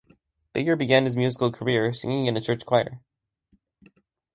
Baker began his musical career singing in a church choir.